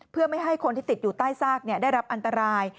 เพื่อไม่ให้คนที่ติดอยู่ใต้ซากได้รับอันตราย